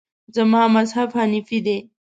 زما مذهب حنیفي دی.